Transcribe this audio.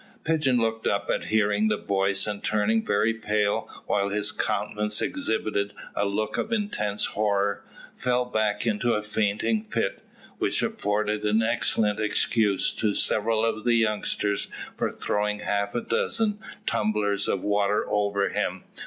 Pigeon looked up at hearing the voice, and turning very pale, while his countenance exhibited a look of intense horror, fell back in a fainting fit, which afforded an excellent excuse to several of the youngsters for throwing half a dozen tumblers of water over him.